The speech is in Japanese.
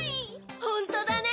ホントだね！